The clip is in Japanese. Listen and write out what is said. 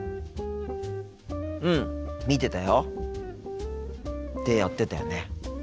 うん見てたよ。ってやってたよね。